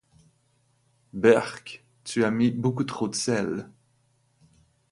Beurk ! Tu as mis beaucoup trop de sel !